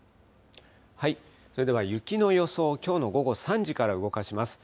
それでは雪の予想、きょうの午後３時から動かします。